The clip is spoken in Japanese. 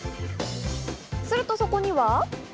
するとここには。